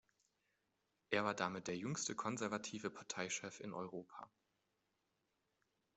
Er war damit der jüngste konservative Parteichef in Europa.